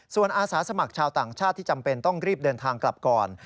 ส่วนอาสาสมัครชาวต่างชาติที่จำเป็นต้องรีบเดินทางกลับก่อน